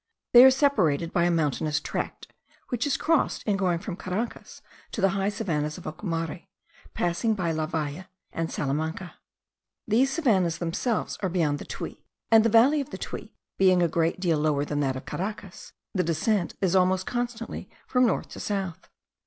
They are separated by a mountainous tract, which is crossed in going from Caracas to the high savannahs of Ocumare, passing by La Valle and Salamanca. These savannahs themselves are beyond the Tuy; and the valley of the Tuy being a great deal lower than that of Caracas, the descent is almost constantly from north to south.